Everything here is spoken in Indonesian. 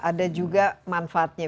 ada juga manfaatnya